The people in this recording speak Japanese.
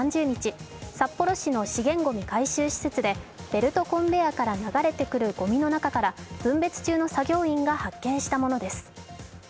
これは今年１月３０日、札幌市の資源ごみ回収施設でベルトコンベヤーから流れてくるごみの中から分別中の作業員が発見したものです。